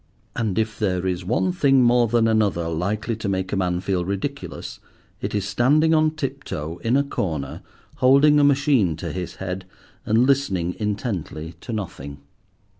And if there is one thing more than another likely to make a man feel ridiculous it is standing on tip toe in a corner, holding a machine to his head, and listening intently to nothing.